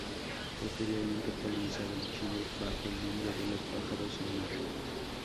Posteriormente fue lanzado en Chile bajo el nombre de Los pájaros sin mar.